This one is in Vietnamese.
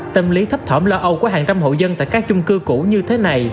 tâm lý thấp thỏm lo âu của hàng trăm hộ dân tại các chung cư cũ như thế này